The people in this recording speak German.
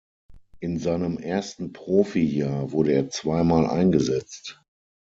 In seinem ersten Profijahr wurde er zweimal eingesetzt.